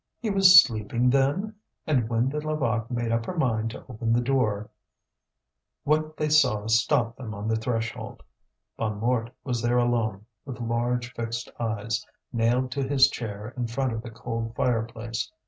He was sleeping, then? And when the Levaque made up her mind to open the door, what they saw stopped them on the threshold. Bonnemort was there alone, with large fixed eyes, nailed to his chair in front of the cold fireplace.